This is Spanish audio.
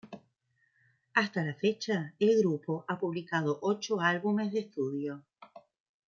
Hasta la fecha el grupo ha publicado ocho álbumes de estudio.